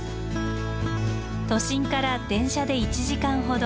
都心から電車で１時間ほど。